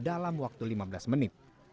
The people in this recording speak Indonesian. dalam waktu lima belas menit